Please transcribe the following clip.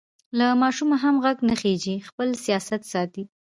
له ماشومه هم غږ نه خېژي؛ خپل سیاست ساتي.